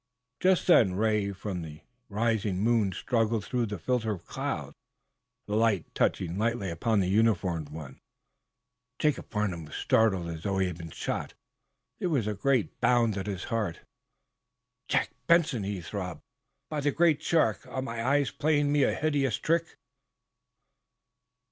Just then ray from the rising moon struggled through the filter of clouds, the light touching lightly upon the uniformed one. Jacob Farnum started as though he had been shot. There was a great bound at his heart. "Jack Benson!" he throbbed. "By the Great Shark, are my eyes playing me a hideous prank?"